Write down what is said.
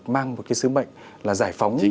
mang một cái sứ mệnh là giải phóng